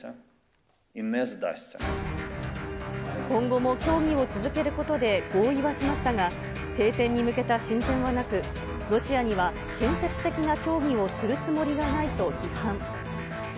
今後も協議を続けることで合意はしましたが、停戦に向けた進展はなく、ロシアには建設的な協議をするつもりがないと批判。